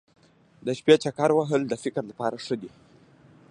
د شپې چکر وهل د فکر لپاره ښه دي.